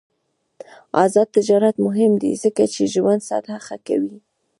آزاد تجارت مهم دی ځکه چې ژوند سطح ښه کوي.